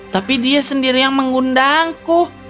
tapi dia sendiri yang mengundangku